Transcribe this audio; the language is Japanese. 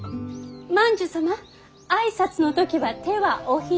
万寿様挨拶の時は手はお膝。